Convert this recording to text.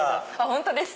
本当です！